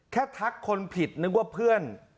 ทักคนผิดนึกว่าเพื่อน